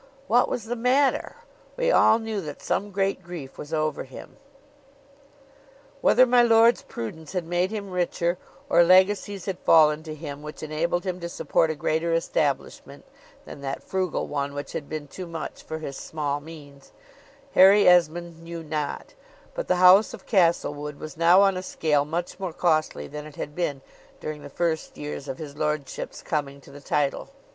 What was the matter? We all knew that some great grief was over him. Whether my lord's prudence had made him richer, or legacies had fallen to him, which enabled him to support a greater establishment than that frugal one which had been too much for his small means, Harry Esmond knew not; but the house of Castlewood was now on a scale much more costly than it had been during the first years of his lordship's coming to the title.